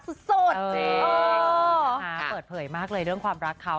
เปิดเผยมากเลยเรื่องความรักเขา